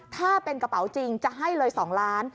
ถ้าเป็นกระเป๋าจริงจะให้เลย๒ล้าน